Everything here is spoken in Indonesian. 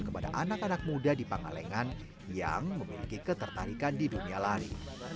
kepada anak anak muda di pangalengan yang memiliki ketertarikan di dunia lari